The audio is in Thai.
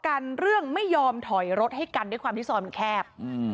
กันเรื่องไม่ยอมถอยรถให้กันด้วยความที่ซอยมันแคบ